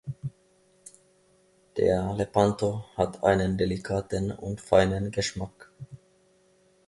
Der Lepanto hat einen delikaten und feinen Geschmack.